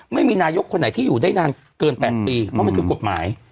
ไม่มีนายกคนไหนที่อยู่ได้นานเกิน๘ปีเพราะมันคือกฎหมาย